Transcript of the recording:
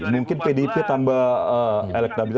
mungkin pdp tambah elektronik